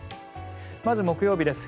まず木曜日です。